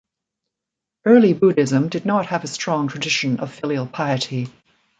Early Buddhism did not have a strong tradition of filial piety.